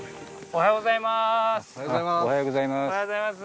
おはようございます。